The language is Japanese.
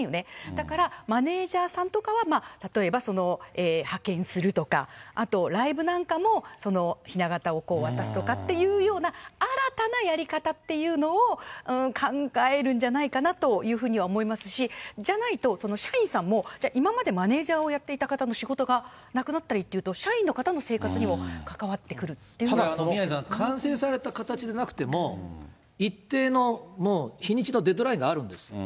だから、マネージャーさんとかは例えば、派遣するとか、あと、ライブなんかもそのひな型を渡すとかっていうような新たなやり方っていうのを考えるんじゃないかなというふうには思いますし、じゃないと、社員さんも、じゃあ、今までマネージャーをやっていた方の仕事がなくなったりっていうと、社員の方の生活にも関わって宮根さん、完成された形じゃなくても、一定のもう日にちのデッドラインがあるんです。